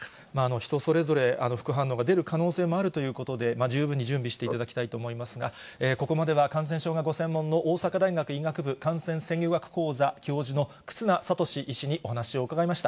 人それぞれ、副反応が出る可能性もあるということで、十分に準備していただきたいと思いますが、ここまでは感染症がご専門の大阪大学医学部感染制御学講座教授の忽那賢志医師にお話を伺いました。